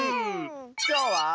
きょうは。